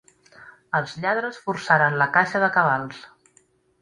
Els lladres forçaren la caixa de cabals.